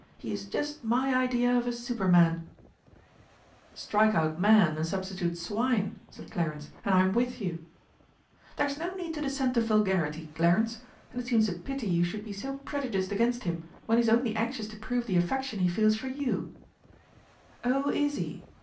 He is just my idea of a superman!" "Strike out 'man' and substitute 'swine'!" said Clarence, "and I'm with you!" "There's no need to descend to vulgarity, Clarence. And it seems a pity you should be so prejudiced against him when he is only anxious to prove the affection he feels for you!" "Oh, is he?